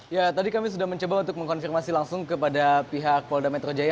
ya tadi kami sudah mencoba untuk mengkonfirmasi langsung kepada pihak polda metro jaya